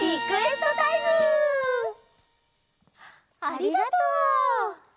ありがとう！